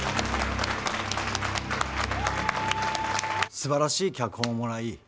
すばらしい脚本をもらい